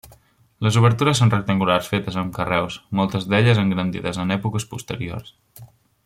Les obertures són rectangulars fetes amb carreus, moltes d'elles engrandides en èpoques posteriors.